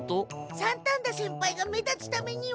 三反田先輩が目立つためには。